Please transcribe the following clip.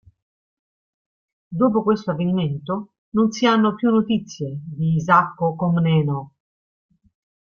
Dopo questo avvenimento non si hanno più notizie di Isacco Comneno.